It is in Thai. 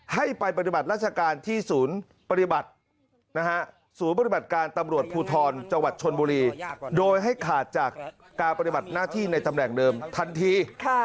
ให้ไปปฏิบัติราชการที่ศูนย์ปฏิบัติศูนย์ปฏิบัติการตำรวจภูทรจังหวัดชนบุรีโดยให้ขาดจากการปฏิบัติหน้าที่ในตำแหน่งเดิมทันที